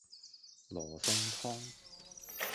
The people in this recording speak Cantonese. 羅宋湯